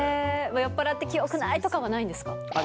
酔っぱらって記憶ないとかはないんですか？